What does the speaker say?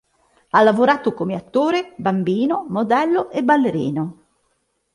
Ha lavorato come attore bambino, modello e ballerino.